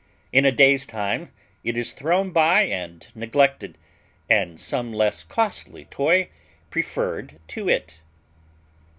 In a day's time it is thrown by and neglected, and some less costly toy preferred to it.